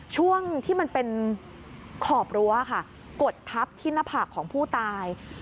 ช่วงที่มันเป็นขอบรั้วค่ะกดทับที่หน้าผากของผู้ตาย